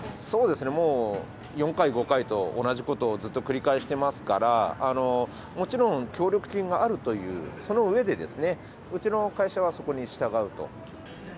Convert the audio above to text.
そうですね、もう４回、５回と同じことをずっと繰り返してますから、もちろん協力金があるというその上で、うちの会社はそこに従うと。